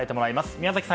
宮崎さん